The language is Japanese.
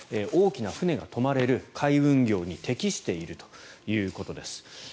大きな船が泊まれる海運業に適しているということです。